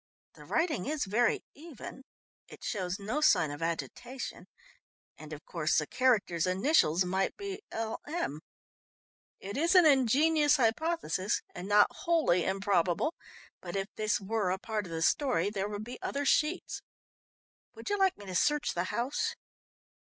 "The writing is very even it shows no sign of agitation, and of course the character's initials might be 'L.M.' It is an ingenious hypothesis, and not wholly improbable, but if this were a part of the story, there would be other sheets. Would you like me to search the house?"